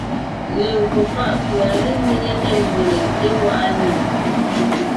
Legÿo pá’ pʉ̀a ge néŋe nê mbʉ́lè, té gwaʼa nyìŋ,